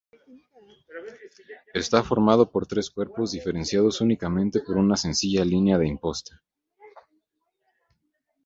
Está formado por tres cuerpos diferenciados únicamente por una sencilla línea de imposta.